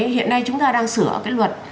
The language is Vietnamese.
hiện nay chúng ta đang sửa cái luật